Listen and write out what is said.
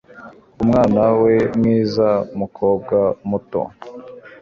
Umwana we mwiza mukobwa muto